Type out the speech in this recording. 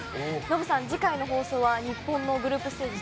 ノブさん、次回の放送は日本のグループステージ